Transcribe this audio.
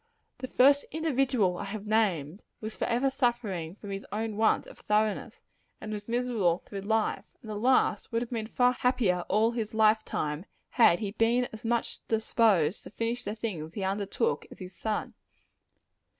The first individual I have named, was forever suffering from his own want of thoroughness and was miserable through life; and the last would have been far happier all his life time, had he been as much disposed to finish the things he undertook, as his son.